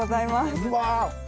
うわ。